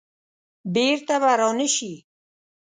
بیرته به را نه شي.